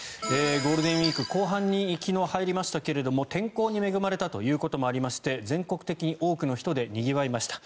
ゴールデンウィーク後半に昨日入りましたけれども天候に恵まれたということもありまして全国的に多くの人でにぎわいました。